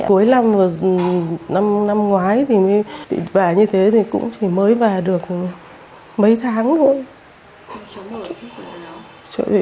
cuối năm năm ngoái thì mới về như thế thì cũng mới về được mấy tháng thôi